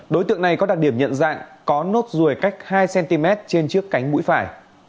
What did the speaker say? đối tượng này có đặc điểm nhận dạng có nốt ruồi cách hai cm trên trước cánh mũi phải